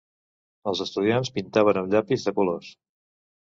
Els estudiants pintaven amb llapis de colors.